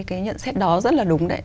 cái nhận xét đó rất là đúng đấy